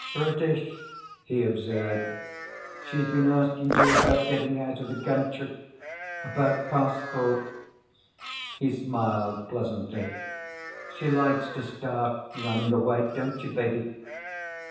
"British," he observed. "She's been asking you about getting out of the country? About passports?" He smiled pleasantly. "She likes to start running away. Don't you, baby?"